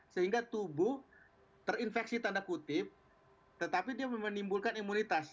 sehingga tubuh terinfeksi tanda kutip tetapi dia menimbulkan imunitas